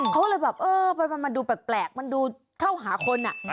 เขาเลยแบบเออมันดูแปลกมันดูเข้าหาคน